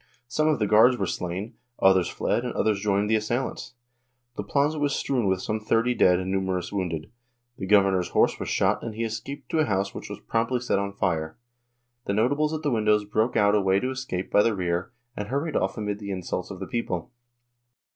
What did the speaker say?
Some of the guards were slain, others fled and others joined the assailants. The plaza was strewn with some thirty dead and numerous wounded ; the gover nor's horse was shot and he escaped to a house which was promptly Chap. X] ANTONIO PEREZ 263 set on fire ; the notables at the windows broke out a way to escape by the rear and hurried off amid the insults of the people.